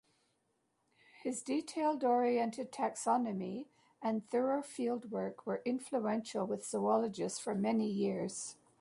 His detail-oriented taxonomy and thorough field work were influential with zoologists for many years.